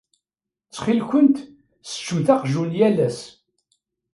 Ttxil-kent sseččemt aqjun yal ass.